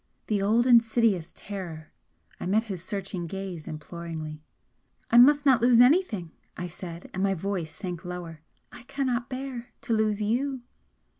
The old insidious terror! I met his searching gaze imploringly. "I must not lose anything!" I said, and my voice sank lower, "I cannot bear to lose YOU!"